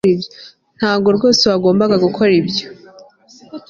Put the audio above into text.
Ntabwo rwose wagombaga gukora ibyo